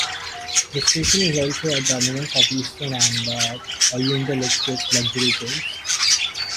The station is also a terminus of the Eastern and Oriental Express luxury trains.